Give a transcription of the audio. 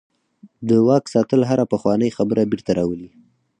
د واک ساتل هره پخوانۍ خبره بیرته راولي.